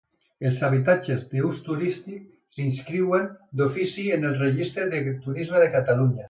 Els habitatges d'ús turístic s'inscriuen d'ofici en el registre de Turisme de Catalunya.